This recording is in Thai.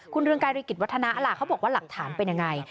คุณเรืองไกรฤกิจวัฒนาอลาเขาบอกว่าหลักฐานเป็นอย่างไร